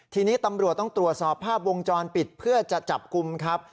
ทีนี้ตำรวจต้องตรวจสอบภาพวงจรปิดเพื่อจะจับกลุ่มครับ